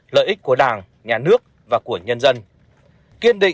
lợi ích của đảng nhà nước và của nhân dân